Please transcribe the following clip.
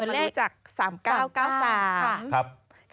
แล้วเรามารู้จัก๓๙๙๓